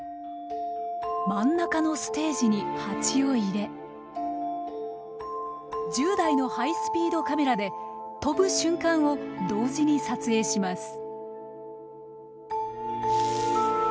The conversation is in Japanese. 真ん中のステージにハチを入れ１０台のハイスピードカメラで飛ぶ瞬間を同時に撮影します。